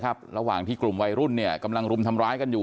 ระหว่างที่กลุ่มวัยรุ่นเนี่ยกำลังรุมทำร้ายกันอยู่